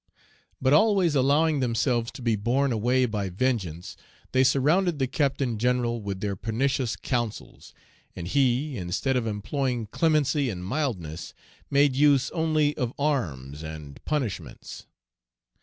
But always allowing themselves to be borne away by vengeance, they surrounded the Captain General with their pernicious counsels, and he, instead of employing clemency and mildness, made use only of arms and punishments.